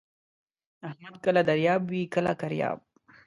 احمد کله دریاب وي کله کریاب.